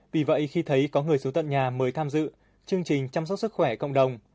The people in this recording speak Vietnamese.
vì vậy khi thấy có người xuống tận nhà mới tham dự chương trình chăm sóc sức khỏe cộng đồng